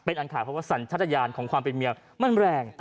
อันขาดเพราะว่าสัญชาติยานของความเป็นเมียมันแรง